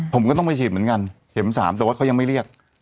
ผมก็ต้องไปฉีดเหมือนกันเข็ม๓แต่ว่าเขายังไม่เรียก